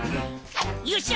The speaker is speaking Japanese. よっしゃ！